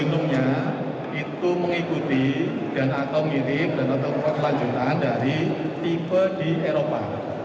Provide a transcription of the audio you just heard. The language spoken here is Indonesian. minumnya itu mengikuti dan atau mirip dan atau kelanjutan dari tipe di eropa